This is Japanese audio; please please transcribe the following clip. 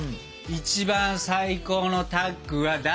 一番最高のタッグは誰？